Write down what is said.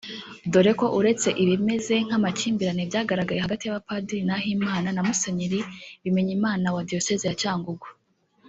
Dore ko uretse ibimeze nk’amakimbirane byagaragaye hagati ya Padiri Nahimana na Musenyeri Bimenyimana wa Diyosezi ya Cyangugu